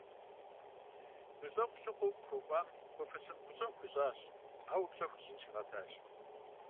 Гущӏэгъу лъыхъуэу къыхуэкӏуам хуэфащэн гущӏэгъу хуищӏащ, ауэ пщӏэ хуищӏын щигъэтащ.